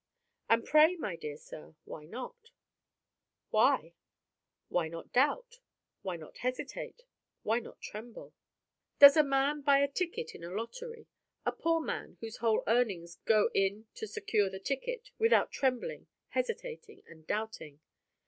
And pray, my dear sir, why not why? Why not doubt? why not hesitate; why not tremble? Does a man buy a ticket in a lottery a poor man whose whole earnings go in to secure the ticket without trembling, hesitating, and doubting?